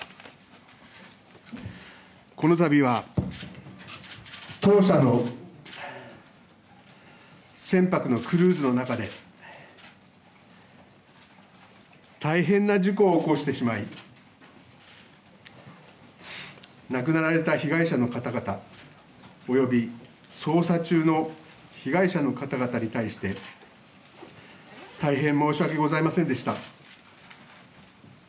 このたびは、当社の船舶のクルーズの中で、大変な事故を起こしてしまい、亡くなられた被害者の方々、および捜査中の被害者の方々に対して、大変申し訳ございませんでした。